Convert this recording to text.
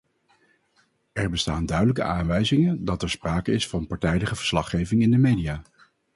Er bestaan duidelijke aanwijzingen dat er sprake is van partijdige verslaggeving in de media.